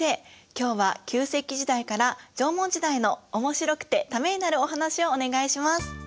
今日は旧石器時代から縄文時代のおもしろくてためになるお話をお願いします。